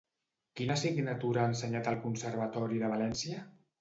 Quina assignatura ha ensenyat al conservatori de València?